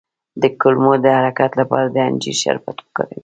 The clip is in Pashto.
د کولمو د حرکت لپاره د انجیر شربت وکاروئ